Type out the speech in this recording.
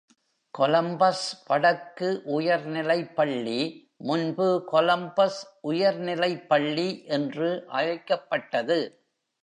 Columbus வடக்கு உயர்நிலைப்பள்ளி முன்பு கொலம்பஸ் உயர்நிலைப்பள்ளி என்று அழைக்கப்பட்டது.